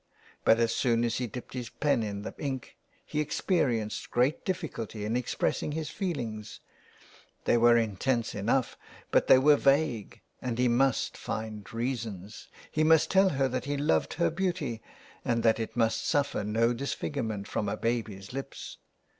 But as soon as he dipped his pen in 334 THE WILD GOOSE. the ink, he experienced great difficulty in expressing his feelings ; they were intense enough, but they were vague, and he must find reasons. He must tell her that he loved her beauty, and that it must suffer no disfigurement from a baby's lips.